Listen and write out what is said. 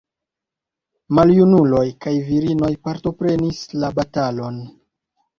Maljunuloj kaj virinoj partoprenis la batalon.